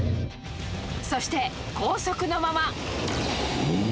そして、高速のまま。